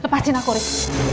lepasin aku riz